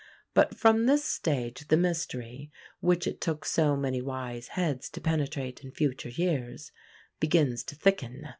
But from this stage the mystery, which it took so many wise heads to penetrate in future years, begins to thicken.